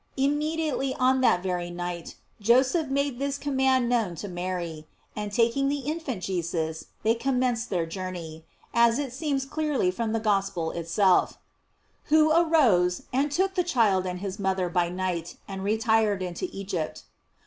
54 Y immediately, on that very night, Joseph made this command known to Mary; and taking the infant Jesus, they commenced their journey, as it seems clearly from the Gospel itself: <c Who arose and took the child and his mother by night, and retired into Egypt."